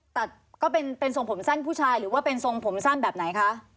ก็เป็นทรงผมสั้นผู้ชายหรือว่าเป็นทรงผมสั้นแบบไหนคะ